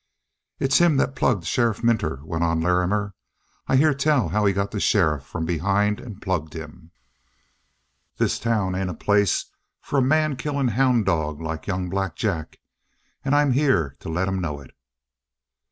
"It's him that plugged Sheriff Minter," went on Larrimer. "I hear tell as how he got the sheriff from behind and plugged him. This town ain't a place for a man killing houn' dog like young Black Jack, and I'm here to let him know it!"